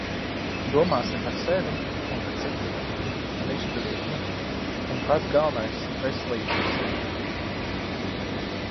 Domāsim par sevi un par citiem un izturību un, pats galvenais, veselību visiem!